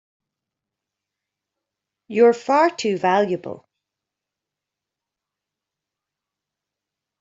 You're far too valuable!